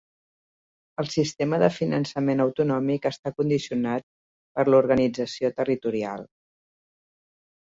El sistema de finançament autonòmic està condicionat per l'organització territorial.